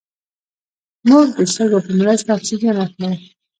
موږ د سږو په مرسته اکسیجن اخلو